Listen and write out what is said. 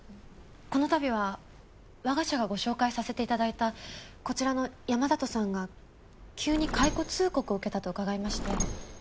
このたびは我が社がご紹介させて頂いたこちらの山里さんが急に解雇通告を受けたと伺いまして。